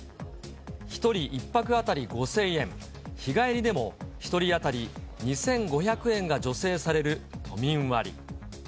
１人１泊当たり５０００円、日帰りでも１人当たり２５００円が助成される都民割。